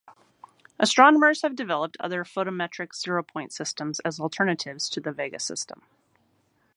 Astronomers have developed other photometric zeropoint systems as alternatives to the Vega system.